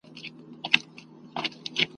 دا ایمل ایمل ایمل پلرونه !.